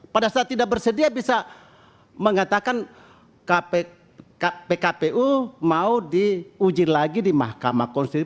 pada saat tidak bersedia bisa mengatakan pkpu mau diuji lagi di mahkamah konstitusi